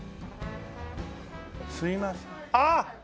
すいませんあっ！